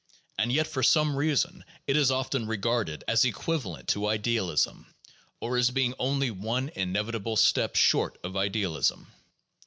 And yet, for some reason, it is often regarded as equivalent to idealism, or as being only one inevitable step short of idealism.